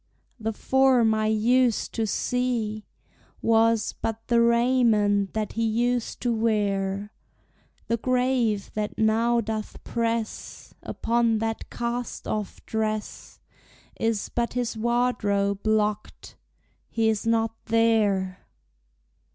The form I used to see Was but the raiment that he used to wear. The grave, that now doth press Upon that cast off dress, Is but his wardrobe locked he is not there!